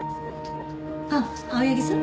あっ青柳さん。